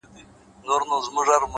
تا څه کوئ اختر د بې اخترو په وطن کي _